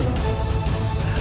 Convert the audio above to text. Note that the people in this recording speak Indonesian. kekasih seharusnya saling mencintai